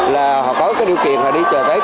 là họ có điều kiện đi chợ tết